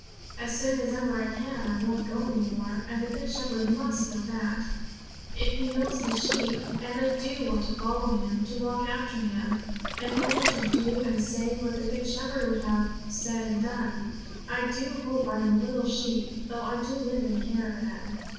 As soon as ever I can, I won't go any more. And the Good Shepherd must know that, if He knows His sheep. And I do want to follow Him, to walk after Him, and only say and do what the Good Shepherd would have said and done. I do hope I am a little sheep, though I do live in a caravan.'